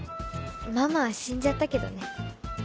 ママは死んじゃったけどね。